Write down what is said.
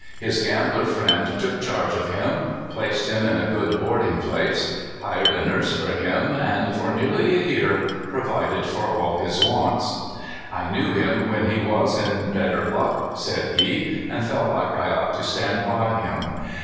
His gambler friend took charge of him, placed him in a good boarding place, hired a nurse for him, and for nearly a year provided for all his wants. 90 CALIFORNIA SKETCHES. "I knew him when he was in better luck/' said he, "and felt like I ought to stand by him."